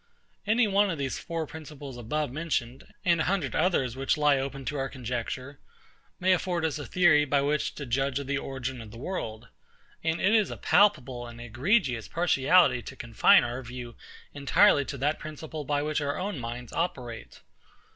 Any one of these four principles above mentioned, (and a hundred others which lie open to our conjecture,) may afford us a theory by which to judge of the origin of the world; and it is a palpable and egregious partiality to confine our view entirely to that principle by which our own minds operate.